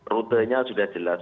rutanya sudah jelas